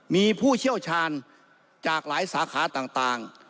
มีผู้เชี่ยวชาญจากหลายสาขาต่าง